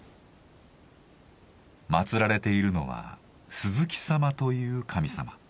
祀られているのは鈴木様という神様。